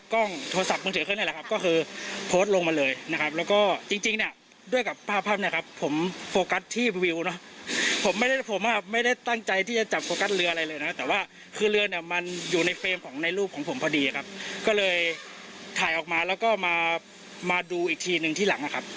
ก็เลยถ่ายออกมาแล้วก็มาดูอีกทีหนึ่งที่หลังนะครับ